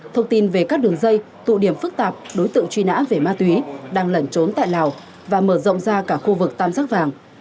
thông tin về các đường dây tụ điểm phức tạp đối tượng truy nã về ma túy đang lẩn trốn tại lào và mở rộng ra cả khu vực tam giác vàng